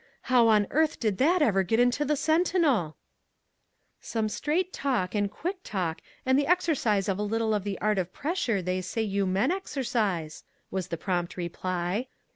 How on earth did that ever get into the Sentinel?" "Some straight talk, and quick talk, and the exercise of a little of the art of pressure they say you men exercise," was the prompt reply.